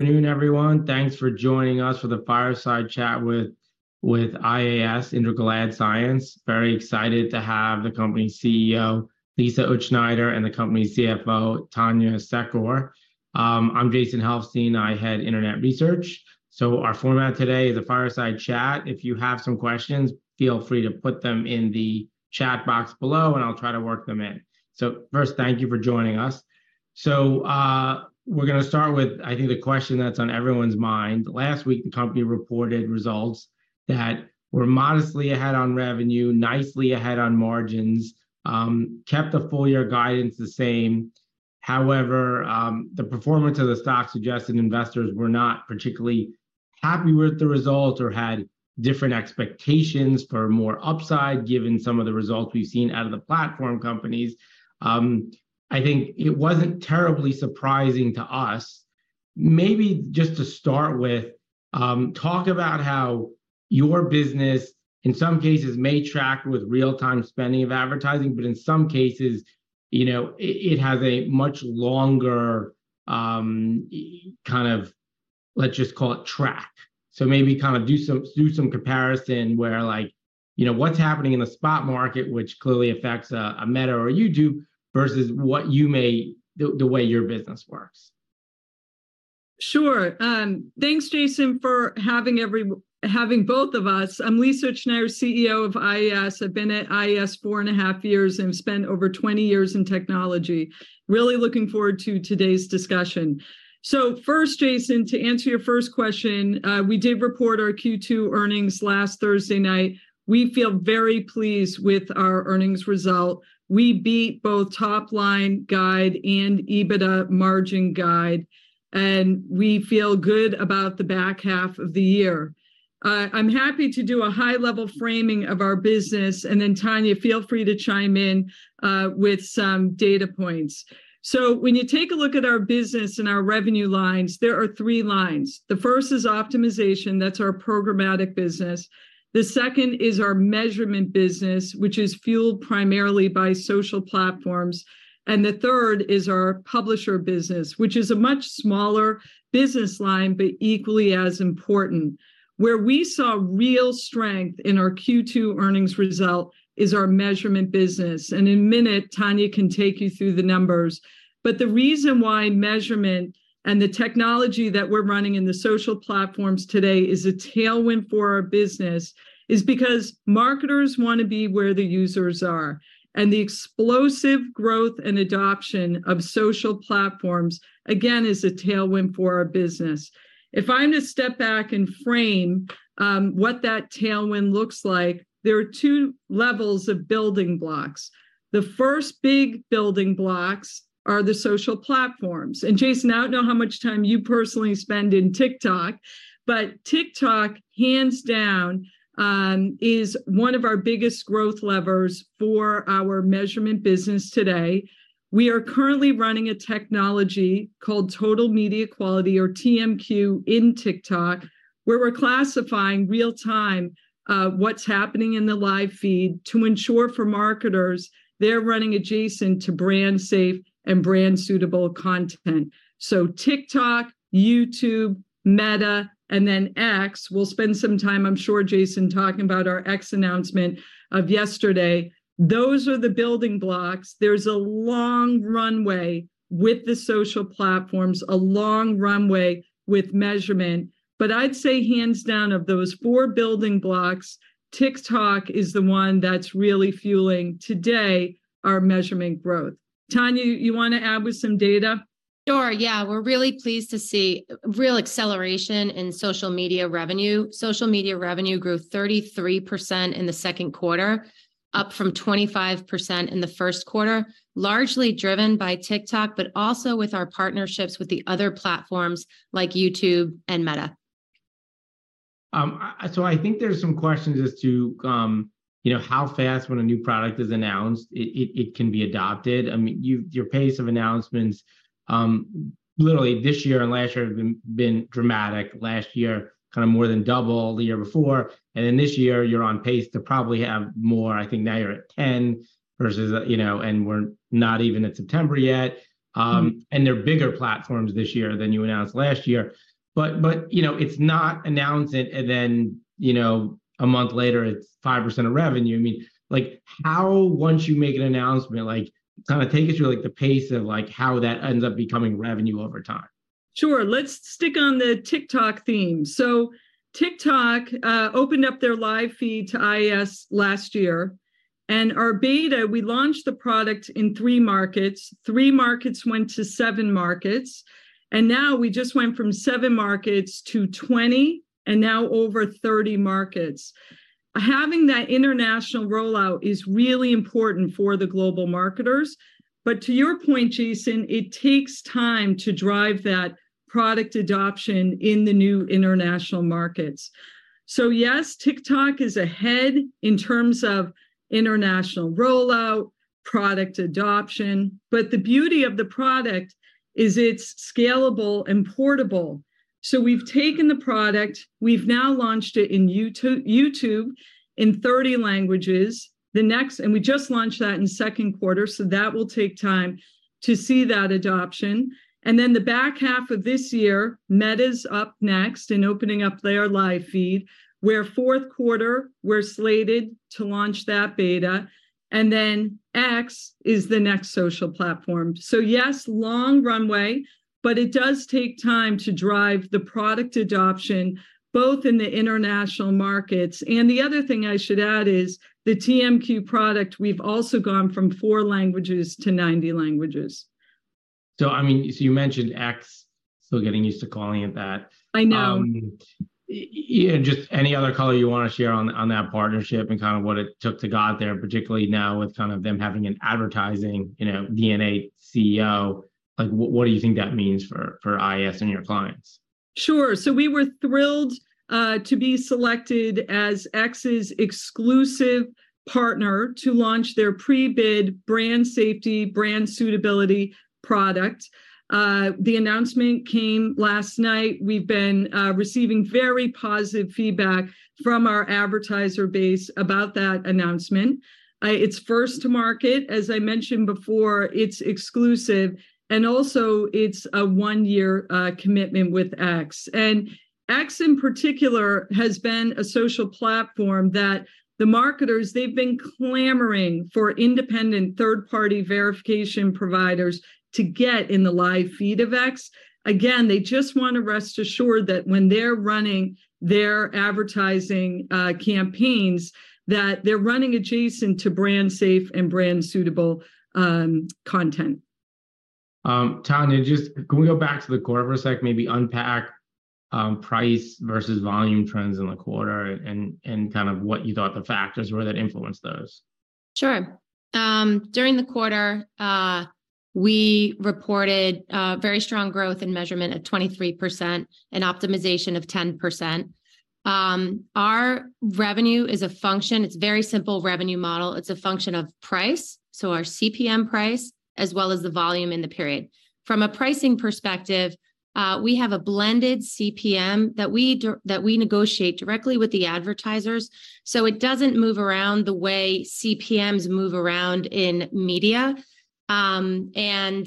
Good afternoon, everyone. Thanks for joining us for the fireside chat with, with IAS, Integral Ad Science. Very excited to have the company CEO, Lisa Utzschneider, and the company CFO, Tania Secor. I'm Jason Helfstein, I head internet research. Our format today is a fireside chat. If you have some questions, feel free to put them in the chat box below, and I'll try to work them in. First, thank you for joining us. We're gonna start with, I think, the question that's on everyone's mind. Last week, the company reported results that were modestly ahead on revenue, nicely ahead on margins, kept the full year guidance the same. However, the performance of the stock suggested investors were not particularly happy with the result or had different expectations for more upside, given some of the results we've seen out of the platform companies. I think it wasn't terribly surprising to us. Maybe just to start with, talk about how your business, in some cases, may track with real-time spending of advertising, but in some cases, you know, it, it has a much longer, kind of, let's just call it track. So maybe kind of do some, do some comparison where like, you know, what's happening in the spot market, which clearly affects a, a Meta or a YouTube, versus what you may- the, the way your business works. Sure. Thanks, Jason, for having both of us. I'm Lisa Utzschneider, CEO of IAS. I've been at IAS 4.5 years and spent over 20 years in technology. Really looking forward to today's discussion. First, Jason, to answer your first question, we did report our Q2 earnings last Thursday night. We feel very pleased with our earnings result. We beat both top line guide and EBITDA margin guide, and we feel good about the back half of the year. I'm happy to do a high-level framing of our business, and then Tania, feel free to chime in with some data points. When you take a look at our business and our revenue lines, there are 3 lines. The first is optimization. That's our programmatic business. The second is our measurement business, which is fueled primarily by social platforms. The third is our publisher business, which is a much smaller business line, but equally as important. Where we saw real strength in our Q2 earnings result is our measurement business, and in a minute, Tania can take you through the numbers. The reason why measurement and the technology that we're running in the social platforms today is a tailwind for our business, is because marketers want to be where the users are, and the explosive growth and adoption of social platforms, again, is a tailwind for our business. If I'm to step back and frame what that tailwind looks like, there are two levels of building blocks. The first big building blocks are the social platforms, and Jason, I don't know how much time you personally spend in TikTok, but TikTok, hands down, is one of our biggest growth levers for our measurement business today. We are currently running a technology called Total Media Quality, or TMQ, in TikTok, where we're classifying real time, what's happening in the live feed to ensure for marketers they're running adjacent to brand safe and brand suitable content. TikTok, YouTube, Meta, and then X. We'll spend some time, I'm sure, Jason, talking about our X announcement of yesterday. Those are the building blocks. There's a long runway with the social platforms, a long runway with measurement, but I'd say hands down, of those four building blocks, TikTok is the one that's really fueling, today, our measurement growth. Tania, you want to add with some data? Sure, yeah. We're really pleased to see real acceleration in social media revenue. Social media revenue grew 33% in the second quarter, up from 25% in the first quarter, largely driven by TikTok, but also with our partnerships with the other platforms like YouTube and Meta. I think there's some questions as to, you know, how fast when a new product is announced, it, it, it can be adopted. I mean, your pace of announcements, literally this year and last year have been dramatic. Last year, kind of more than double the year before, then this year you're on pace to probably have more. I think now you're at 10 versus a. We're not even at September yet. They're bigger platforms this year than you announced last year. You know, it's not announce it then, you know, a month later, it's 5% of revenue. I mean, like, how, once you make an announcement, like, kind of take us through, like, the pace of, like, how that ends up becoming revenue over time. Sure, let's stick on the TikTok theme. TikTok opened up their live feed to IAS last year, and our beta, we launched the product in 3 markets. 3 markets went to 7 markets, now we just went from 7 markets to 20, and now over 30 markets. Having that international rollout is really important for the global marketers. To your point, Jason, it takes time to drive that product adoption in the new international markets. Yes, TikTok is ahead in terms of international rollout, product adoption. The beauty of the product is it's scalable and portable. We've taken the product, we've now launched it in YouTube in 30 languages. We just launched that in second quarter, so that will take time to see that adoption. Then the back half of this year, Meta's up next in opening up their live feed, where fourth quarter, we're slated to launch that beta, and then X is the next social platform. Yes, long runway, but it does take time to drive the product adoption, both in the international markets. The other thing I should add is, the TMQ product, we've also gone from four languages to 90 languages. I mean, so you mentioned X, still getting used to calling it that. I know. Y- y- just any other color you want to share on, on that partnership and kind of what it took to get out there, particularly now with kind of them having an advertising, you know, DNA CEO? Like, what, what do you think that means for, for IAS and your clients? Sure. We were thrilled to be selected as X's exclusive partner to launch their pre-bid brand safety, brand suitability product. The announcement came last night. We've been receiving very positive feedback from our advertiser base about that announcement. It's first to market, as I mentioned before, it's exclusive, and also it's a 1-year commitment with X. X, in particular, has been a social platform that the marketers, they've been clamoring for independent third-party verification providers to get in the live feed of X. Again, they just want to rest assured that when they're running their advertising campaigns, that they're running adjacent to brand safe and brand suitable content. Tania, can we go back to the quarter for a sec? Maybe unpack price versus volume trends in the quarter and kind of what you thought the factors were that influenced those. Sure. During the quarter, we reported very strong growth in measurement of 23% and optimization of 10%. Our revenue is a function, it's a very simple revenue model. It's a function of price, so our CPM price, as well as the volume in the period. From a pricing perspective, we have a blended CPM that we that we negotiate directly with the advertisers, so it doesn't move around the way CPMs move around in media. On the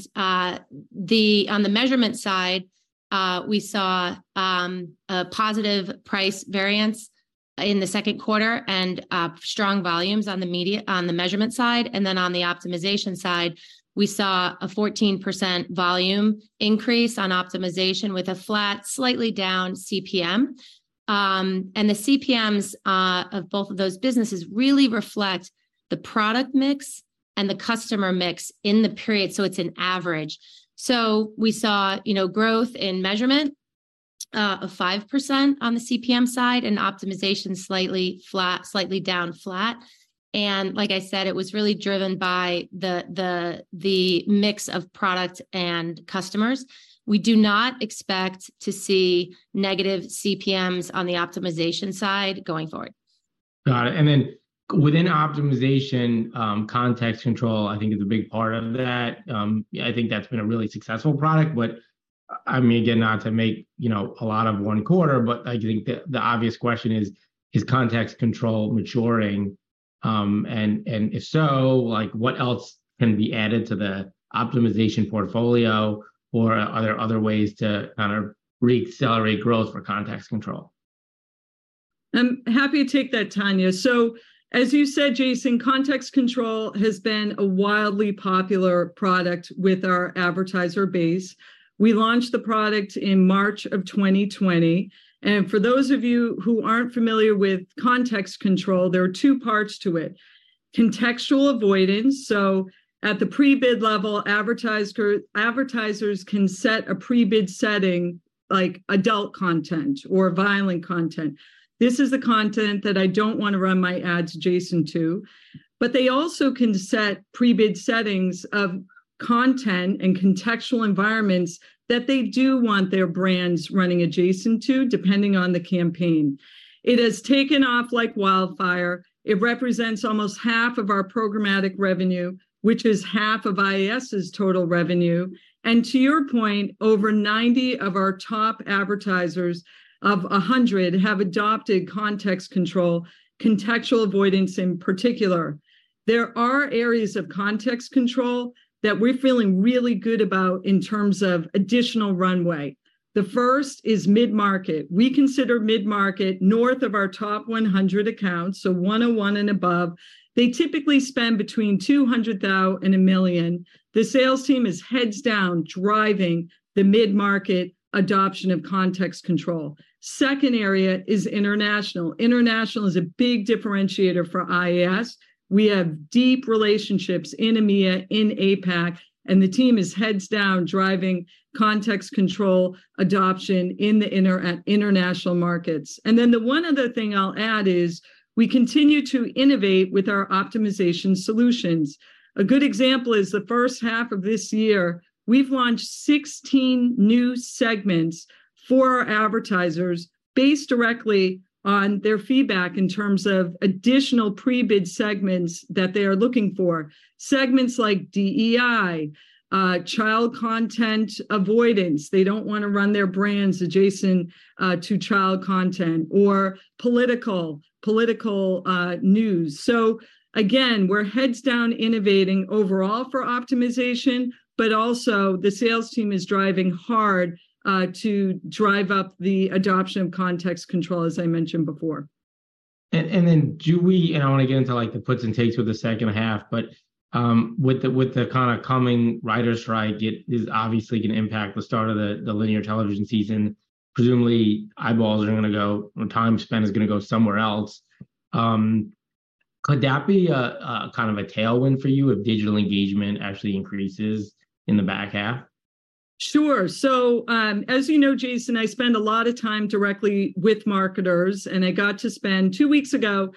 measurement side, we saw a positive price variance in the second quarter and strong volumes on the media, on the measurement side, and then on the optimization side, we saw a 14% volume increase on optimization with a flat, slightly down CPM. The CPMs of both of those businesses really reflect the product mix and the customer mix in the period, so it's an average. We saw, you know, growth in measurement of 5% on the CPM side, optimization slightly flat, slightly down flat. Like I said, it was really driven by the mix of product and customers. We do not expect to see negative CPMs on the optimization side going forward. Got it. Then within optimization, Context Control, I think is a big part of that. I think that's been a really successful product, but, I mean, again, not to make, you know, a lot of one quarter, but I think the, the obvious question is: Is Context Control maturing? If so, like, what else can be added to the optimization portfolio? Are there other ways to kind of reaccelerate growth for Context Control? I'm happy to take that, Tania. As you said, Jason, Context Control has been a wildly popular product with our advertiser base. We launched the product in March of 2020, and for those of you who aren't familiar with Context Control, there are two parts to it. Contextual avoidance, at the pre-bid level, advertisers can set a pre-bid setting, like adult content or violent content. This is the content that I don't want to run my ads adjacent to. They also can set pre-bid settings of content and Contextual environments that they do want their brands running adjacent to, depending on the campaign. It has taken off like wildfire. It represents almost half of our programmatic revenue, which is half of IAS's total revenue. To your point, over 90 of our top advertisers, of 100, have adopted Context Control, Contextual avoidance in particular. There are areas of Context Control that we're feeling really good about in terms of additional runway. The first is mid-market. We consider mid-market north of our top 100 accounts, so 101 and above. They typically spend between $200,000 and $1 million. The sales team is heads down, driving the mid-market adoption of Context Control. Second area is international. International is a big differentiator for IAS. We have deep relationships in EMEA, in APAC, the team is heads down, driving Context Control adoption in international markets. Then the one other thing I'll add is, we continue to innovate with our optimization solutions. A good example is the first half of this year, we've launched 16 new segments for our advertisers, based directly on their feedback in terms of additional pre-bid segments that they are looking for. Segments like DEI, child content avoidance, they don't want to run their brands adjacent to child content, or political, political news. Again, we're heads down innovating overall for optimization, but also the sales team is driving hard to drive up the adoption of Context Control, as I mentioned before.... and then do we, and I wanna get into, like, the puts and takes with the second half, but, with the, with the kinda coming Writers' Strike, it is obviously gonna impact the start of the, the linear television season. Presumably eyeballs are gonna go, or time spent is gonna go somewhere else. Could that be a, a kind of a tailwind for you, if digital engagement actually increases in the back half? Sure. As you know, Jason, I spend a lot of time directly with marketers, and I got to spend 2 weeks ago,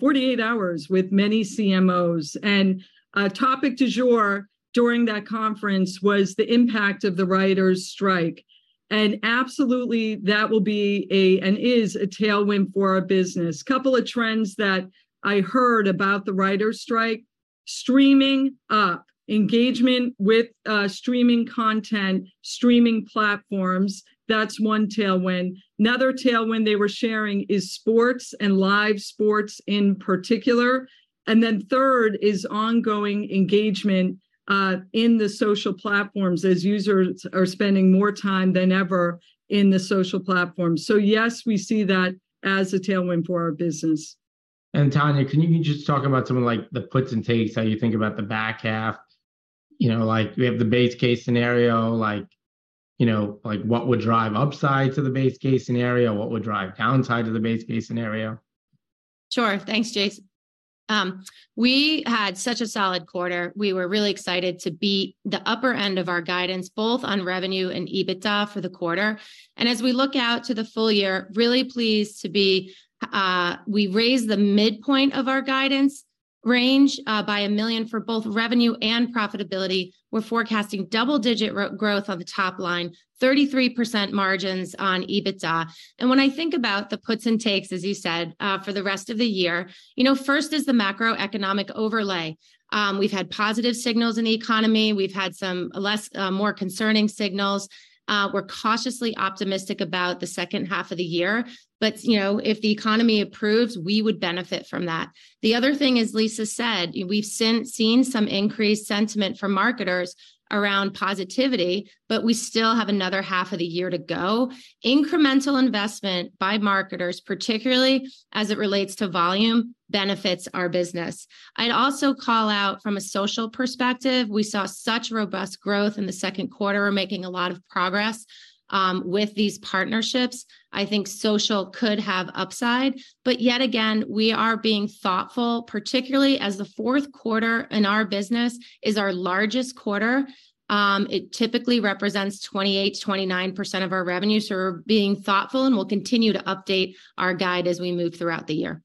48 hours with many CMOs. A topic du jour during that conference was the impact of the Writers' Strike. Absolutely, that will be a, and is a tailwind for our business. Couple of trends that I heard about the Writers' Strike: streaming up, engagement with streaming content, streaming platforms, that's 1 tailwind. Another tailwind they were sharing is sports, and live sports in particular. Third is ongoing engagement in the social platforms, as users are spending more time than ever in the social platform. Yes, we see that as a tailwind for our business. Tania, can you just talk about some of, like, the puts and takes, how you think about the back half? You know, like, we have the base case scenario, like, you know, like what would drive upside to the base case scenario? What would drive downside to the base case scenario? Sure. Thanks, Jason. We had such a solid quarter. We were really excited to beat the upper end of our guidance, both on revenue and EBITDA for the quarter. As we look out to the full year, really pleased to be. We raised the midpoint of our guidance range by $1 million for both revenue and profitability. We're forecasting double-digit growth on the top line, 33% margins on EBITDA. When I think about the puts and takes, as you said, for the rest of the year, you know, first is the macroeconomic overlay. We've had positive signals in the economy. We've had some less, more concerning signals. We're cautiously optimistic about the second half of the year, but, you know, if the economy improves, we would benefit from that. The other thing, as Lisa said, we've seen, seen some increased sentiment from marketers around positivity. We still have another half of the year to go. Incremental investment by marketers, particularly as it relates to volume, benefits our business. I'd also call out from a social perspective, we saw such robust growth in the second quarter. We're making a lot of progress with these partnerships. I think social could have upside. Yet again, we are being thoughtful, particularly as the fourth quarter in our business is our largest quarter. It typically represents 28%-29% of our revenue, so we're being thoughtful, and we'll continue to update our guide as we move throughout the year.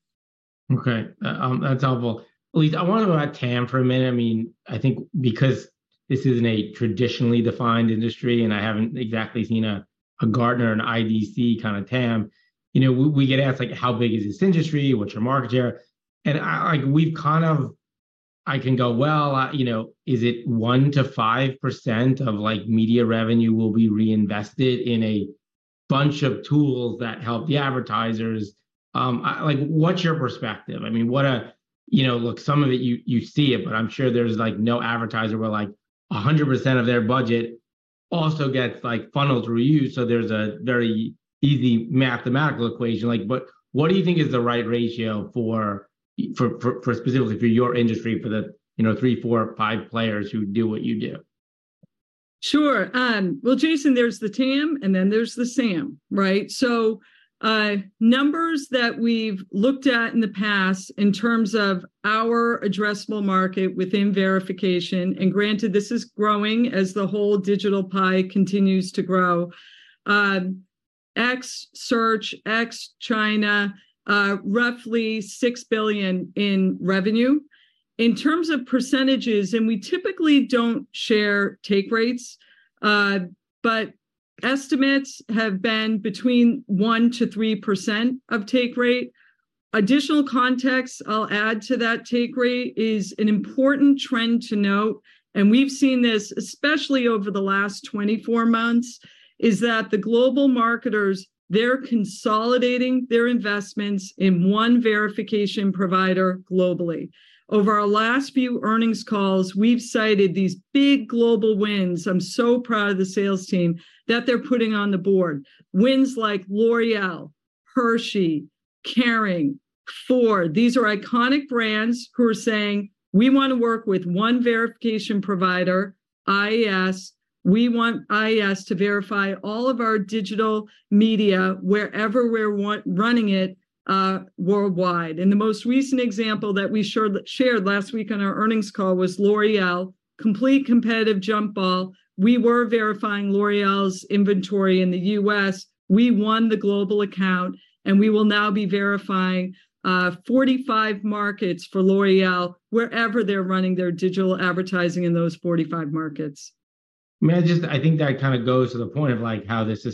Okay. That's helpful. Lisa, I wanna talk about TAM for a minute. I mean, I think because this isn't a traditionally defined industry, and I haven't exactly seen a, a Gartner or an IDC kind of TAM, you know, we, we get asked, like: "How big is this industry? What's your market share?" I, like, we've kind of. I can go, "Well, you know, is it 1%-5% of, like, media revenue will be reinvested in a bunch of tools that help the advertisers?" I... Like, what's your perspective? I mean, what... You know, look, some of it, you, you see it, but I'm sure there's, like, no advertiser where, like, 100% of their budget also gets, like, funneled through you, so there's a very easy mathematical equation, like, but what do you think is the right ratio for, for, for, specifically for your industry, for the, you know, 3, 4, 5 players who do what you do? Sure. well, Jason, there's the TAM, and then there's the SAM, right? Numbers that we've looked at in the past in terms of our addressable market within verification, and granted, this is growing as the whole digital pie continues to grow, ex search, ex China, roughly $6 billion in revenue. In terms of percentages, we typically don't share take rates, but estimates have been between 1%-3% of take rate. Additional context I'll add to that take rate is an important trend to note, and we've seen this especially over the last 24 months, is that the global marketers, they're consolidating their investments in one verification provider globally. Over our last few earnings calls, we've cited these big global wins, I'm so proud of the sales team, that they're putting on the board. Wins like L'Oréal, Hershey, Kering, Ford. These are iconic brands who are saying: "We wanna work with one verification provider, IAS. We want IAS to verify all of our digital media wherever we're running it, worldwide." The most recent example that we share, shared last week on our earnings call was L'Oréal. Complete competitive jump ball. We were verifying L'Oréal's inventory in the U.S. We won the global account, and we will now be verifying, 45 markets for L'Oréal, wherever they're running their digital advertising in those 45 markets. I think that kind of goes to the point of, like, how this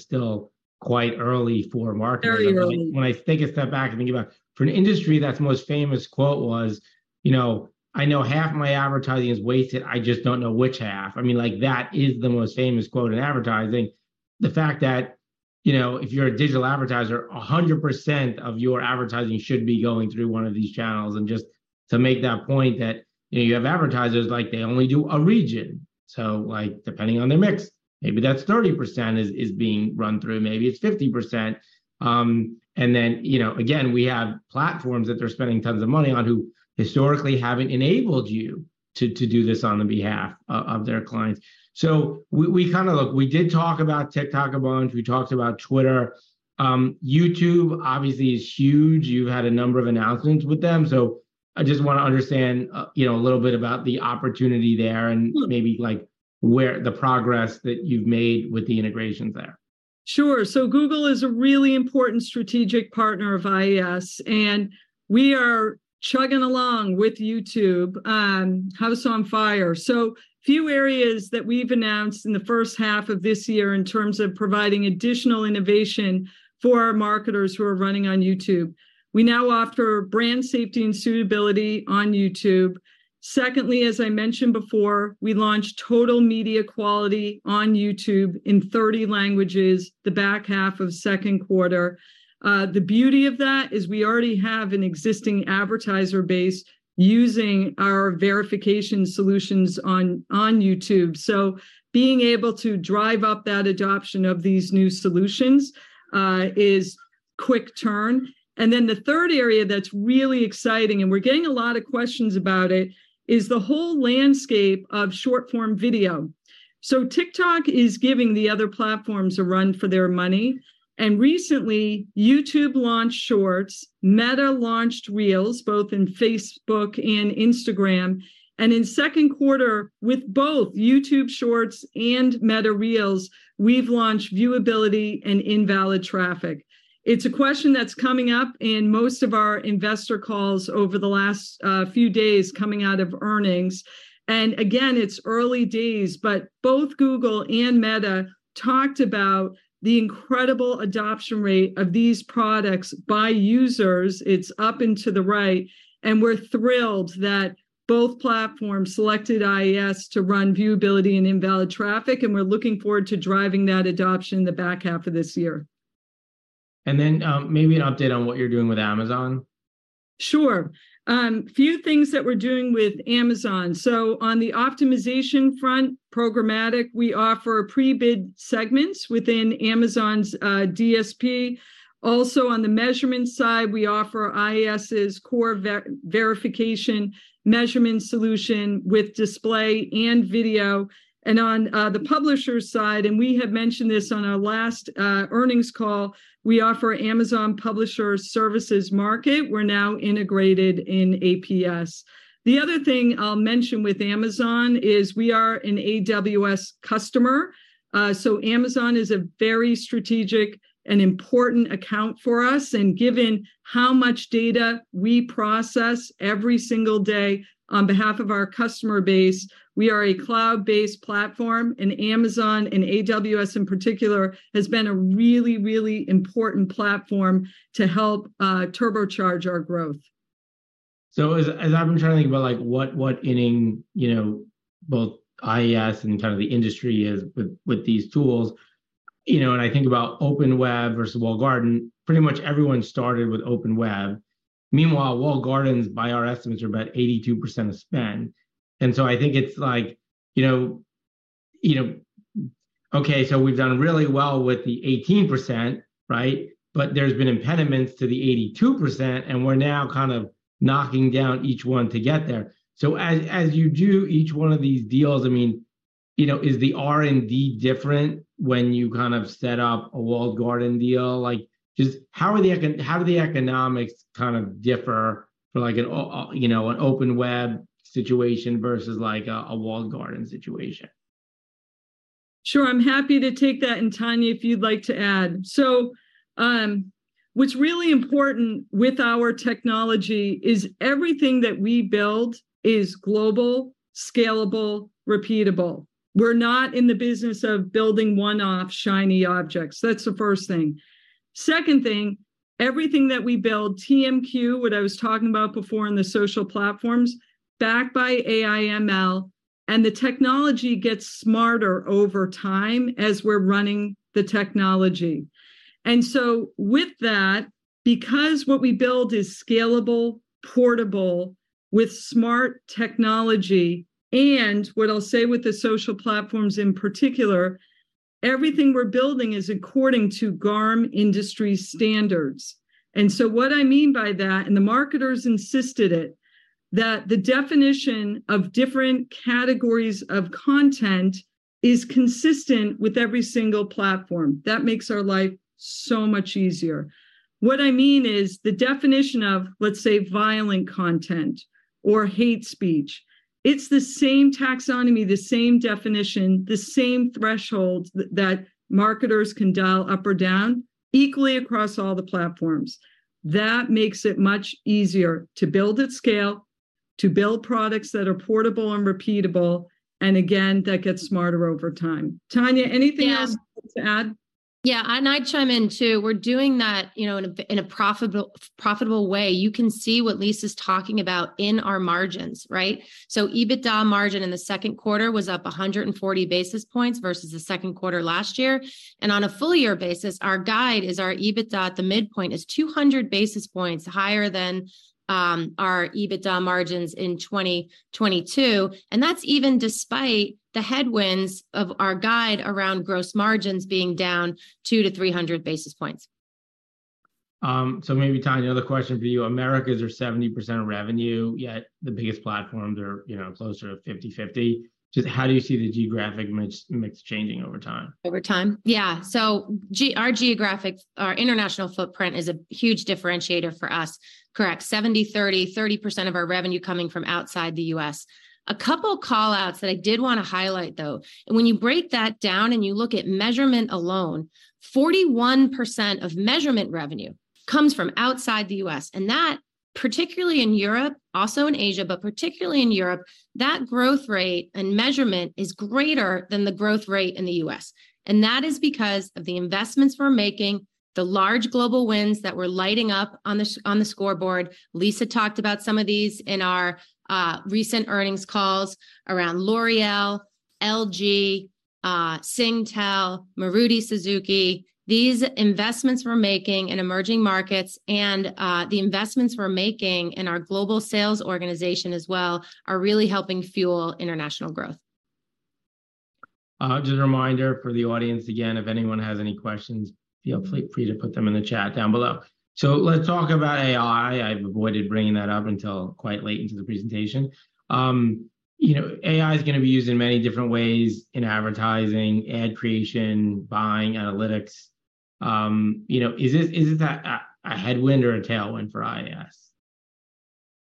is still quite early for marketers. Very early. When I take a step back and think about it, for an industry that's most famous quote was: "You know, I know half my advertising is wasted, I just don't know which half." I mean, like, that is the most famous quote in advertising. The fact that, you know, if you're a digital advertiser, 100% of your advertising should be going through one of these channels, and just to make that point, that, you know, you have advertisers, like, they only do a region. Like, depending on their mix, maybe that's 30% is, is being run through, maybe it's 50%. You know, again, we have platforms that they're spending tons of money on, who historically haven't enabled you to, to do this on the behalf of their clients. We, we did talk about TikTok a bunch, we talked about Twitter. YouTube obviously is huge. You've had a number of announcements with them, so I just wanna understand, you know, a little bit about the opportunity there, and maybe like, the progress that you've made with the integrations there. Sure. Google is a really important strategic partner of IAS, and we are chugging along with YouTube, house on fire. Few areas that we've announced in the first half of this year in terms of providing additional innovation for our marketers who are running on YouTube, we now offer brand safety and suitability on YouTube. Secondly, as I mentioned before, we launched Total Media Quality on YouTube in 30 languages, the back half of 2nd quarter. The beauty of that is we already have an existing advertiser base using our verification solutions on, on YouTube, so being able to drive up that adoption of these new solutions, is quick turn. Then the third area that's really exciting, and we're getting a lot of questions about it, is the whole landscape of short-form video. TikTok is giving the other platforms a run for their money. Recently, YouTube launched Shorts, Meta launched Reels, both in Facebook and Instagram. In second quarter, with both YouTube Shorts and Meta Reels, we've launched viewability and invalid traffic. It's a question that's coming up in most of our investor calls over the last few days coming out of earnings. Again, it's early days, but both Google and Meta talked about the incredible adoption rate of these products by users. It's up and to the right. We're thrilled that both platforms selected IAS to run viewability and invalid traffic. We're looking forward to driving that adoption in the back half of this year. Maybe an update on what you're doing with Amazon? Sure. Few things that we're doing with Amazon. On the optimization front, programmatic, we offer pre-bid segments within Amazon's DSP. Also, on the measurement side, we offer IAS's core verification measurement solution with display and video, and on the publisher side, and we have mentioned this on our last earnings call, we offer Amazon Publisher Services Market. We're now integrated in APS. The other thing I'll mention with Amazon is we are an AWS customer, so Amazon is a very strategic and important account for us, and given how much data we process every single day on behalf of our customer base, we are a cloud-based platform, and Amazon and AWS in particular, has been a really, really important platform to help turbocharge our growth. As, as I've been trying to think about like, what, what inning, you know, both IAS and kind of the industry is with, with these tools, you know, and I think about open web versus walled garden, pretty much everyone started with open web. Meanwhile, walled gardens, by our estimates, are about 82% of spend. I think it's like, you know, you know, okay, so we've done really well with the 18%, right? There's been impediments to the 82%, and we're now kind of knocking down each one to get there. As, as you do each one of these deals, I mean, you know, is the R&D different when you kind of set up a walled garden deal? Like, just how do the economics kind of differ for like, you know, an open web situation versus like a walled garden situation? Sure, I'm happy to take that, and Tania, if you'd like to add. What's really important with our technology is everything that we build is global, scalable, repeatable. We're not in the business of building one-off shiny objects. That's the first thing. Second thing, everything that we build, TMQ, what I was talking about before on the social platforms, backed by AI ML, the technology gets smarter over time as we're running the technology. With that, because what we build is scalable, portable, with smart technology, and what I'll say with the social platforms in particular, everything we're building is according to GARM industry standards. What I mean by that, and the marketers insisted it, that the definition of different categories of content is consistent with every single platform. That makes our life so much easier. What I mean is, the definition of, let's say, violent content or hate speech, it's the same taxonomy, the same definition, the same thresholds that marketers can dial up or down equally across all the platforms. That makes it much easier to build at scale, to build products that are portable and repeatable, and again, that get smarter over time. Tania, anything else? Yeah to add? Yeah, I'd chime in, too. We're doing that, you know, in a profitable, profitable way. You can see what Lisa's talking about in our margins, right? EBITDA margin in the second quarter was up 140 basis points versus the second quarter last year. On a full year basis, our guide is our EBITDA at the midpoint is 200 basis points higher than our EBITDA margins in 2022. That's even despite the headwinds of our guide around gross margins being down 200-300 basis points.... Maybe, Tania, another question for you. Americas are 70% of revenue, yet the biggest platforms are, you know, closer to 50/50. Just how do you see the geographic mix, mix changing over time? Over time? Yeah. Our geographic, our international footprint is a huge differentiator for us. Correct, 70, 30, 30% of our revenue coming from outside the U.S. A couple call-outs that I did wanna highlight, though, when you break that down and you look at measurement alone, 41% of measurement revenue comes from outside the U.S. That, particularly in Europe, also in Asia, but particularly in Europe, that growth rate and measurement is greater than the growth rate in the U.S., and that is because of the investments we're making, the large global wins that we're lighting up on the scoreboard. Lisa talked about some of these in our recent earnings calls around L'Oréal, LG, Singtel, Maruti Suzuki. These investments we're making in emerging markets and the investments we're making in our global sales organization as well, are really helping fuel international growth. Just a reminder for the audience, again, if anyone has any questions, feel free to put them in the chat down below. Let's talk about AI. I've avoided bringing that up until quite late into the presentation. You know, AI is gonna be used in many different ways in advertising, ad creation, buying, analytics. You know, is it, is it a, a, a headwind or a tailwind for IAS?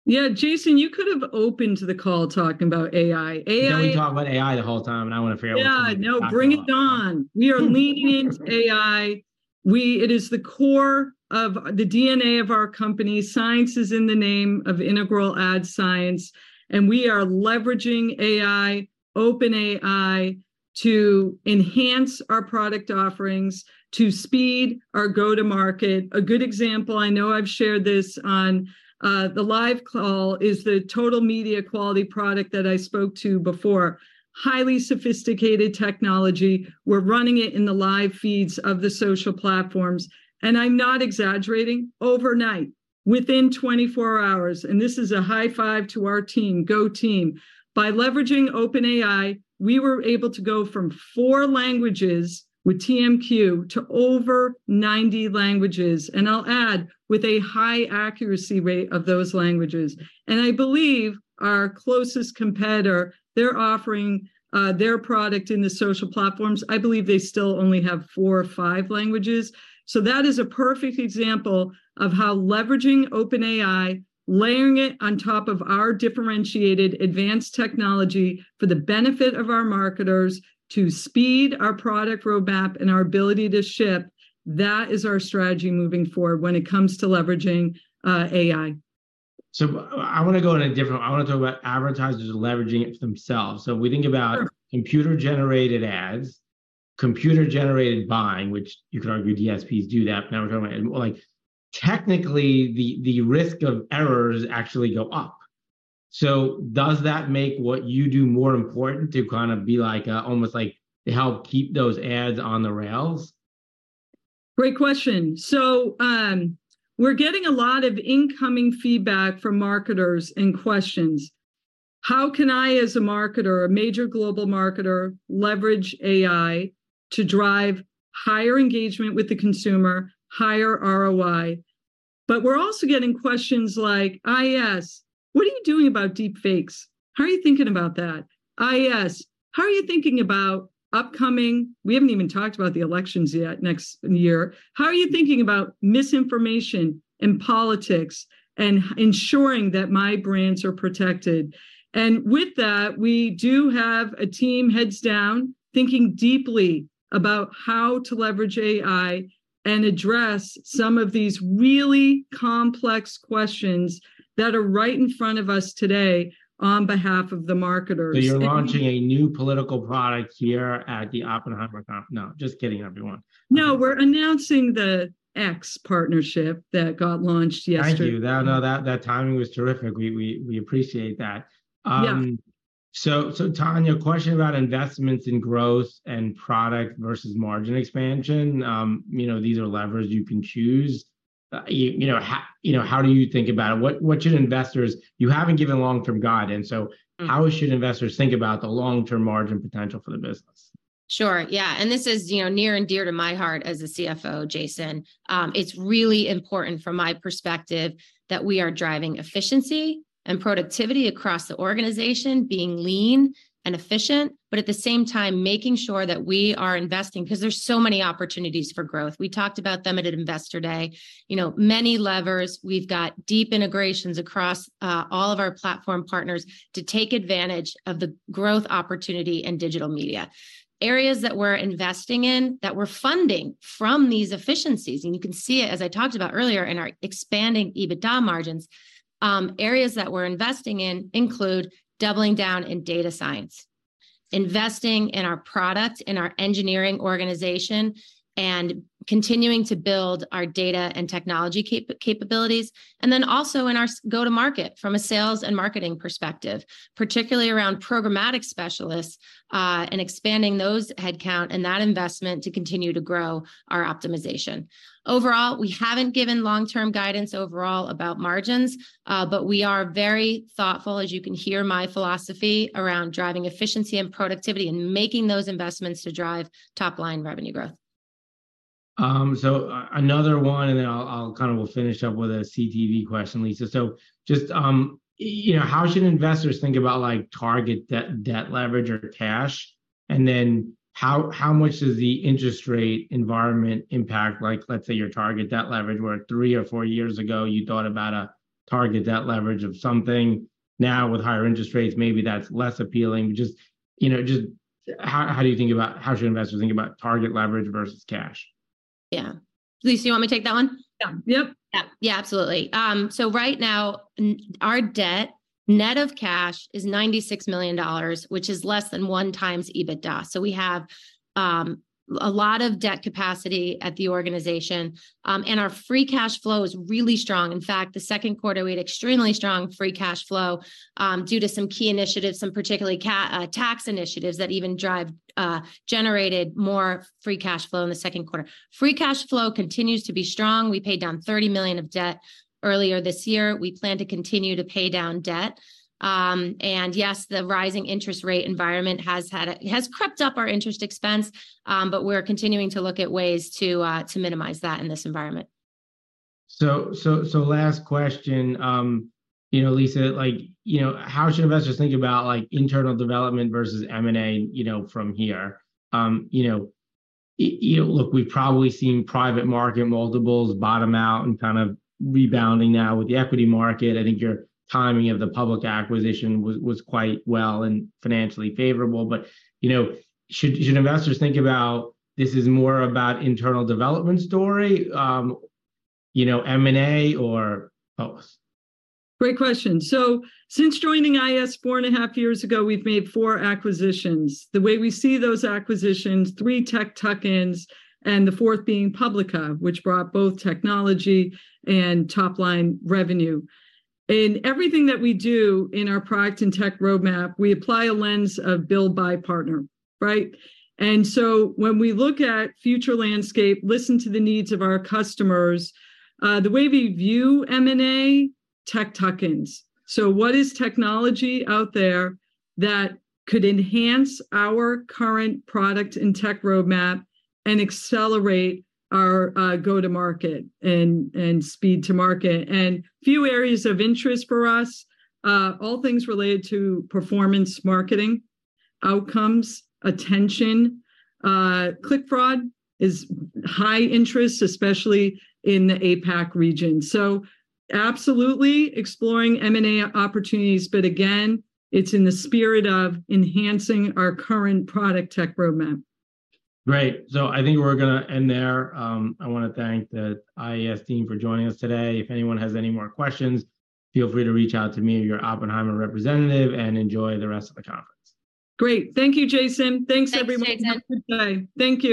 Yeah, Jason, you could have opened the call talking about AI. AI- No, we talked about AI the whole time, and I wanna figure out what... Yeah, no, bring it on! We are leaning into AI. It is the core of the DNA of our company. Science is in the name of Integral Ad Science, and we are leveraging AI, OpenAI, to enhance our product offerings, to speed our go-to-market. A good example, I know I've shared this on the live call, is the Total Media Quality product that I spoke to before. Highly sophisticated technology, we're running it in the live feeds of the social platforms, and I'm not exaggerating, overnight, within 24 hours, and this is a high five to our team. Go, team! By leveraging OpenAI, we were able to go from 4 languages with TMQ to over 90 languages, and I'll add, with a high accuracy rate of those languages. I believe our closest competitor, they're offering their product in the social platforms, I believe they still only have four or five languages. That is a perfect example of how leveraging OpenAI, layering it on top of our differentiated advanced technology for the benefit of our marketers to speed our product roadmap and our ability to ship, that is our strategy moving forward when it comes to leveraging AI. I wanna go in a different... I wanna talk about advertisers leveraging it for themselves. We think about- Sure ...computer-generated ads, computer-generated buying, which you could argue DSPs do that, now we're talking about more like, technically, the, the risk of errors actually go up. Does that make what you do more important to kinda be like, almost like to help keep those ads on the rails? Great question. We're getting a lot of incoming feedback from marketers and questions: "How can I, as a marketer, a major global marketer, leverage AI to drive higher engagement with the consumer, higher ROI?" We're also getting questions like, "IAS, what are you doing about deepfakes? How are you thinking about that? IAS, how are you thinking about upcoming..." We haven't even talked about the elections yet next year. "How are you thinking about misinformation and politics, and ensuring that my brands are protected?" With that, we do have a team heads down, thinking deeply about how to leverage AI and address some of these really complex questions that are right in front of us today on behalf of the marketers. You're launching a new political product here at the Oppenheimer conference. No, just kidding, everyone. No, we're announcing the X partnership that got launched yesterday. Thank you. No, that, that timing was terrific. We appreciate that. Yeah. Tania Secor, a question about investments in growth and product versus margin expansion. You know, these are levers you can choose. You know, how, you know, how do you think about it? What should investors-- You haven't given long-term guidance, so- Mm How should investors think about the long-term margin potential for the business? Sure, yeah, and this is, you know, near and dear to my heart as a CFO, Jason. It's really important from my perspective that we are driving efficiency and productivity across the organization, being lean and efficient, but at the same time, making sure that we are investing, 'cause there's so many opportunities for growth. We talked about them at Investor Day. You know, many levers, we've got deep integrations across all of our platform partners to take advantage of the growth opportunity in digital media. Areas that we're investing in, that we're funding from these efficiencies, and you can see it, as I talked about earlier, in our expanding EBITDA margins. Areas that we're investing in include doubling down in data science, investing in our product, in our engineering organization, and continuing to build our data and technology capabilities, and then also in our go-to-market from a sales and marketing perspective, particularly around programmatic specialists, and expanding those headcount and that investment to continue to grow our optimization. Overall, we haven't given long-term guidance overall about margins, but we are very thoughtful, as you can hear my philosophy, around driving efficiency and productivity, and making those investments to drive top-line revenue growth. ... another one, and then I'll, I'll kind of will finish up with a CTV question, Lisa. You know, how should investors think about, like, target debt, debt leverage or cash? How, how much does the interest rate environment impact, like, let's say, your target debt leverage, where 3 or 4 years ago you thought about a target debt leverage of something, now with higher interest rates, maybe that's less appealing. You know, how do you think about how should investors think about target leverage versus cash? Yeah. Lisa, you want me to take that one? Yeah. Yep. Yeah, yeah, absolutely. Right now, our debt, net of cash, is $96 million, which is less than 1 times EBITDA. We have a lot of debt capacity at the organization, our free cash flow is really strong. In fact, the second quarter, we had extremely strong free cash flow due to some key initiatives, some particularly tax initiatives that even generated more free cash flow in the second quarter. Free cash flow continues to be strong. We paid down $30 million of debt earlier this year. We plan to continue to pay down debt. Yes, the rising interest rate environment has crept up our interest expense, we're continuing to look at ways to minimize that in this environment. So, so last question. You know, Lisa, like, you know, how should investors think about, like, internal development versus M&A, you know, from here? You know, you know, look, we've probably seen private market multiples bottom out and kind of rebounding now with the equity market. I think your timing of the public acquisition was, was quite well and financially favorable. You know, should, should investors think about this is more about internal development story, you know, M&A or both? Great question. Since joining IAS 4.5 years ago, we've made 4 acquisitions. The way we see those acquisitions, 3 tech tuck-ins, and the fourth being Publica, which brought both technology and top-line revenue. In everything that we do in our product and tech roadmap, we apply a lens of build-buy-partner, right? When we look at future landscape, listen to the needs of our customers, the way we view M&A, tech tuck-ins. What is technology out there that could enhance our current product and tech roadmap and accelerate our go-to-market and speed-to-market? Few areas of interest for us, all things related to performance marketing, outcomes, attention, click fraud is high interest, especially in the APAC region. Absolutely, exploring M&A opportunities, but again, it's in the spirit of enhancing our current product tech roadmap. Great. I think we're gonna end there. I wanna thank the IAS team for joining us today. If anyone has any more questions, feel free to reach out to me or your Oppenheimer representative, and enjoy the rest of the conference. Great. Thank you, Jason. Thanks, everyone. Thanks, Jason. Have a good day. Thank you.